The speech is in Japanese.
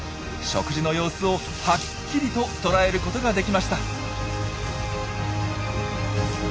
食事の様子をはっきりととらえることができました。